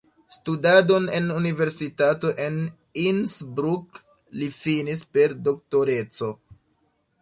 Studadon en universitato en Innsbruck li finis per doktoreco.